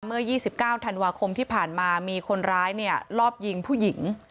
เมื่อ๒๙ธันวาคมที่ผ่านมามีคนร้ายเนี่ยรอบยิงผู้หญิง